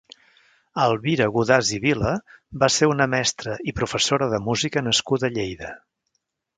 Elvira Godàs i Vila va ser una mestra i professora de música nascuda a Lleida.